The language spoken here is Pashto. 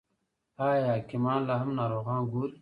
آیا حکیمان لا هم ناروغان ګوري؟